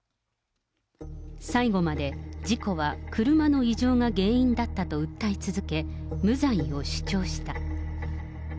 最後まで事故は車の異常が原因だったと訴え続け、無罪を主張した。